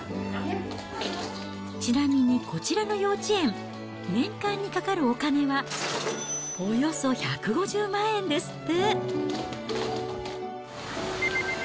ちなみにこちらの幼稚園、年間にかかるお金はおよそ１５０万円ですって。